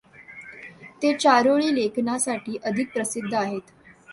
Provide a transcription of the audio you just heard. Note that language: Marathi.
ते चारोळी लेखनासाठी अधिक प्रसिद्ध आहेत.